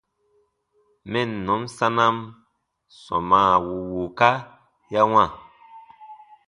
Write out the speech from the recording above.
Mɛnnɔn sanam sɔmaa wùu wùuka ya wãa.